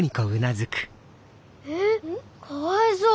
ええっかわいそう。